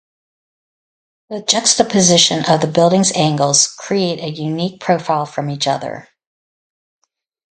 The juxtaposition of the building's angles create a unique profile from each side.